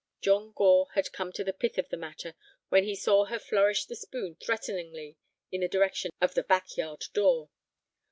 John Gore had come to the pith of the matter when he saw her flourish the spoon threateningly in the direction of the back yard door.